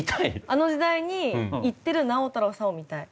あの時代に行ってる直太朗さんを見たい。